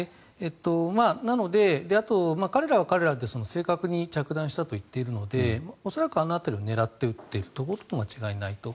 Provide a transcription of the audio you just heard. なので、あと彼らは彼らで正確に着弾したと言っているので恐らくあの辺りを狙って撃っているところで間違いないと。